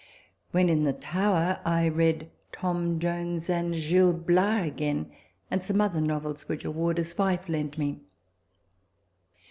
When in the Tower, I read " Tom Jones " and " Gil Bias " again, and some other novels, which a wardour's wife lent me.